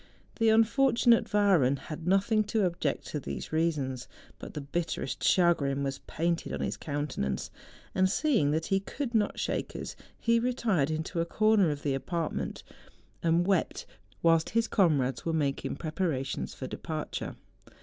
The un¬ fortunate Wahren had nothing to object to these reasons; but the bitterest chagrin was painted on his countenance; and seeing that he could not shake us, he retired into a corner of the apartment and wept, whilst his comrades were making preparations for departure.